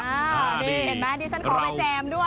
เห็นมั้ยที่ฉันขอไปแจมด้วย